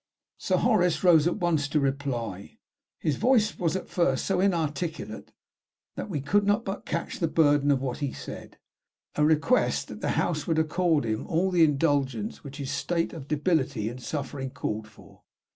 "Sir Horace rose at once to reply. His voice was at first so inarticulate that we could but catch the burden of what he said, a request that the House would accord him all the indulgence which his state of debility and suffering called for.